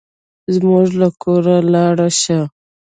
زموږ له کوره لاړ شه.